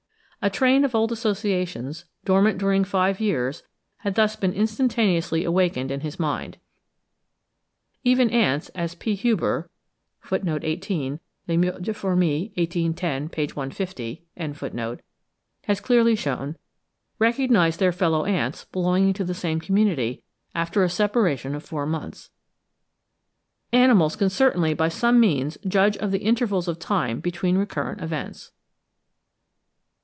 A train of old associations, dormant during five years, had thus been instantaneously awakened in his mind. Even ants, as P. Huber (18. 'Les Moeurs des Fourmis,' 1810, p. 150.) has clearly shewn, recognised their fellow ants belonging to the same community after a separation of four months. Animals can certainly by some means judge of the intervals of time between recurrent events.